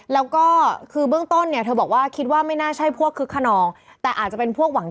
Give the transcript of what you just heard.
แล้วก็คือเบื้องต้นเนี้ยเธอบอกว่าคิดว่าไม่น่าใช่พวกฮึกคันอง